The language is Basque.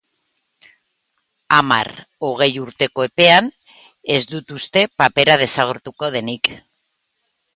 Hamar, hogei urteko epean, ez dut uste papera desagertuko denik.